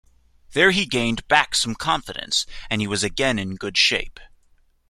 There he gained back some confidence and he was again in good shape.